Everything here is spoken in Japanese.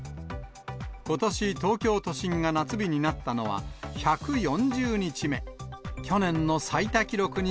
ことし、東京都心が夏日になったのは１４０日目。